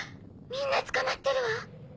みんな捕まってるわ！